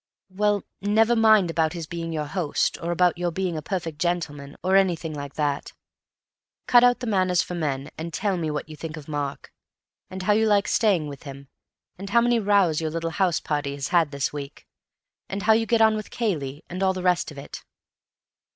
"Well, never mind about his being your host, or about your being a perfect gentleman, or anything like that. Cut out the Manners for Men, and tell me what you think of Mark, and how you like staying with him, and how many rows your little house party has had this week, and how you get on with Cayley, and all the rest of it."